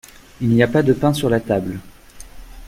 Il n’y a pas de pain sur la table.